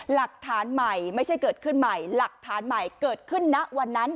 หลักฐานใหม่ไม่ใช่เกิดขึ้นใหม่หลักฐานใหม่เกิดขึ้นณวันนั้น